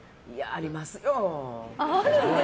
ありますよ。